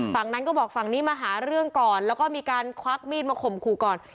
ฝั่งนั้นก็บอกฝั่งนี้มาหาเรื่องก่อนแล้วก็มีการควักมีดมาข่มขู่ก่อน